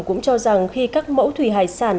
cũng cho rằng khi các mẫu thủy hải sản